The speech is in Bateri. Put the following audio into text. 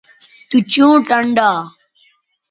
تو چوں ٹنڈا